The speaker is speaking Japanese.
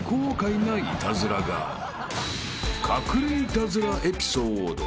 ［隠れイタズラエピソード］